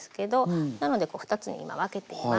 なのでこう２つに今分けています。